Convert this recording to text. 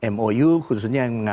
mou khususnya yang mengatakan